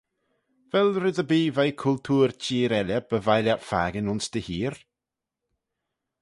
Vel red erbee veih cultoor çheer elley by vie lhiat fakin ayns dty heer?